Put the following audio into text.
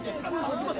行きます？